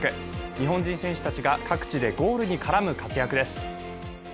日本人選手たちが各地でゴールに絡む活躍です。